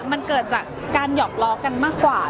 มันเกิดจากการหยอกล้อกันมากกว่า